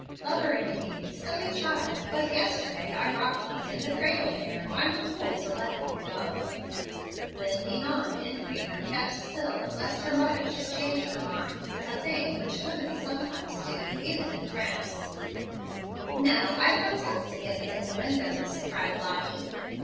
"'Lover indeed! Silly child, but yesterday I rocked thee in the cradle there. I'm a fool to let thee go.' "Then Ninon, in fear, kept still, lest her mother should change her mind, a thing which women sometimes do, even in France " "Now I protest against innuendoes," cried Lottie.